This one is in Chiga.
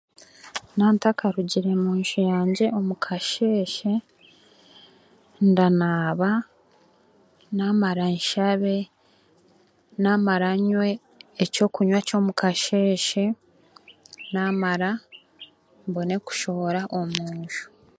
Nantakarugire omu nju yangye omukasheeshe ndanaaba, naamara nshabe naamara nywe eky'okunywa ky'omukasheeshe naamara mbone kushohora omunju.